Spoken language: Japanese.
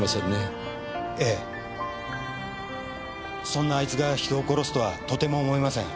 そんなあいつが人を殺すとはとても思えません。